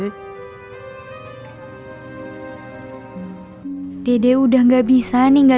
tir t sebagai vc server pingsan